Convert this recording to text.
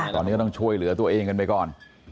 ตอนนี้ก็ต้องช่วยเหลือตัวเองกันไปก่อน